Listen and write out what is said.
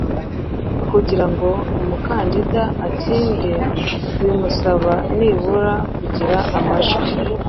Kugira ngo umukandida atsinde bimusaba nibura kugira amajw